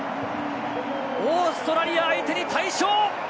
オーストラリア相手に大勝！